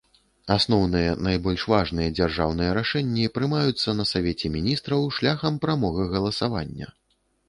Асноўныя, найбольш важныя дзяржаўныя рашэнні прымаюцца на савеце міністраў шляхам прамога галасавання.